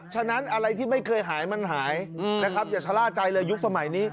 ฉะนั้นอะไรที่ไม่เคยหายมันหายนะครับอย่าชะล่าใจเลยยุคสมัยนี้